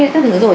các thứ rồi